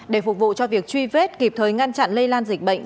để phục vụ cho việc truy vết kịp thời ngăn chặn lây lan dịch bệnh